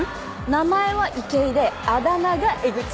名前は池井であだ名がエグチ。